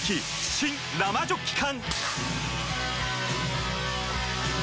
新・生ジョッキ缶！